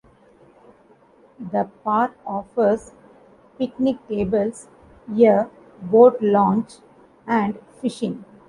The park offers picnic tables, a boat launch, and fishing.